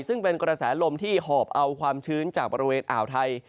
ซึ่งเป็นกระแสลมที่หอบเอาความชื้นจากบริเวณอ่าวไทย